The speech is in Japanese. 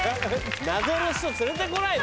謎の人連れてこないで。